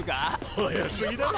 早すぎだろ。